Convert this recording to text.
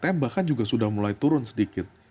tapi bahkan juga sudah mulai turun sedikit